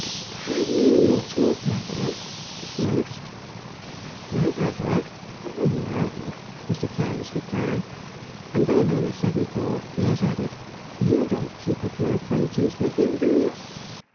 "Have you met your brother?" she asked. "My brother? Oh no!" was the careless reply. Then on a sudden thought, Piers added, "You don't keep up your acquaintance with him, do you?"